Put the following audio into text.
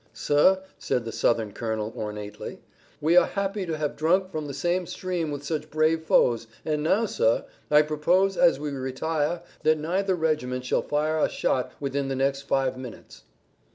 "Sir," said the Southern colonel ornately, "we are happy to have drunk from the same stream with such brave foes, and now, sir, I propose as we retire that neither regiment shall fire a shot within the next five minutes."